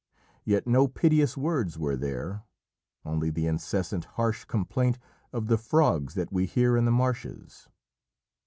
Yet no piteous words were there, only the incessant, harsh complaint of the frogs that we hear in the marshes.